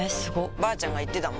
ばあちゃんが言ってたもん